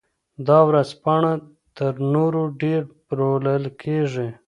دا ورځپاڼه تر نورو ډېر پلورل کیږي.